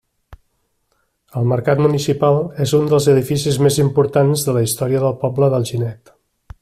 El mercat municipal és un dels edificis més importants de la història del poble d'Alginet.